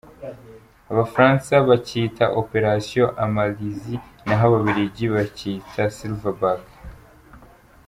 Abafaransa bacyita “Opération Amarylis” naho Ababiligi bacyita “Silver Back.